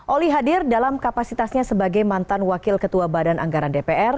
oli hadir dalam kapasitasnya sebagai mantan wakil ketua badan anggaran dpr